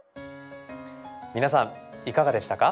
皆さんいかがでしたか？